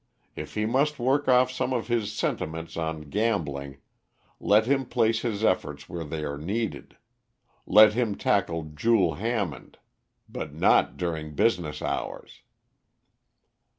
If he must work off some of his sentiments on gambling, let him place his efforts where they are needed let him tackle Jule Hammond, but not during business hours."